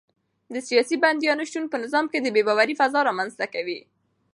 د سیاسي بندیانو شتون په نظام کې د بې باورۍ فضا رامنځته کوي.